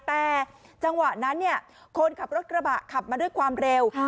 แต่จังหวะนั้นคนขับรถกระบะขับมาด้วยความเร็ว